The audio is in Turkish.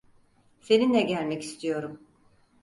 Seninle gelmek istiyorum.